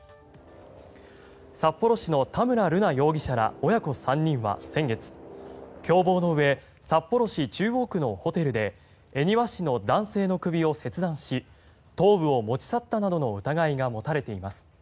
札幌市の田村瑠奈容疑者ら親子３人は先月共謀のうえ札幌市中央区のホテルで恵庭市の男性の首を切断し頭部を持ち去ったなどの疑いが持たれています。